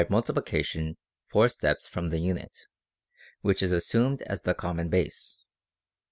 3f>l multiplication four steps from the unit, which is assumed as the common base.